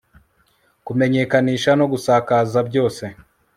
kumenyekanisha no gusakaza byose